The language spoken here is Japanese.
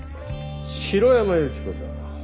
城山由希子さん